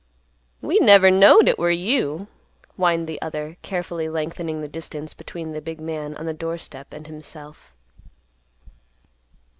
"We never knowed it war you," whined the other carefully lengthening the distance between the big man on the doorstep and himself.